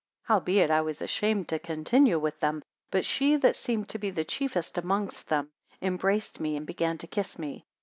100 Howbeit I was ashamed to continue with them. But she that seemed to be the chiefest amongst them, embraced me, and began to kiss me.